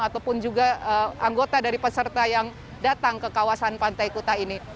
ataupun juga anggota dari peserta yang datang ke kawasan pantai kuta ini